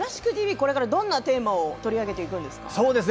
これからどんなテーマを取り上げていくんですか。